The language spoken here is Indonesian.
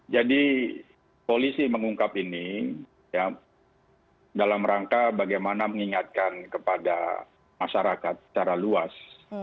jadi polisi mengungkap ini dalam rangka bagaimana mengingatkan kepada masyarakat secara luas